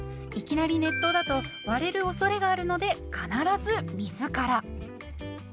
いきなり熱湯だと割れるおそれがあるので必ず水から。